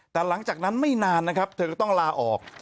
แต่หลังจากนั้นไม่นานนะครับเธอก็ต้องลาออก